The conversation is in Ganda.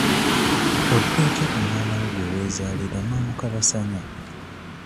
Odda otya ku mwana wo gwe weezaalira n'omukabasanya?